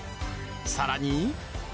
さらに